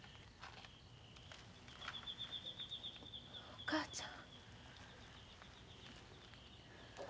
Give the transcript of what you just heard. お母ちゃん。